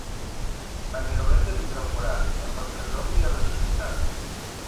Paneroleta dins del forat: el vostre zombi ha ressuscitat.